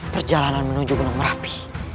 perjalanan menuju gunung merapi